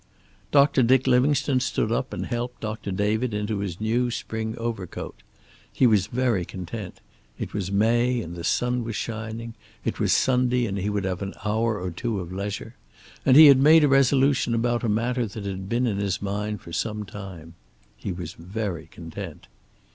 Doctor Dick Livingstone stood up and helped Doctor David into his new spring overcoat. He was very content. It was May, and the sun was shining. It was Sunday, and he would have an hour or two of leisure. And he had made a resolution about a matter that had been in his mind for some time. He was very content.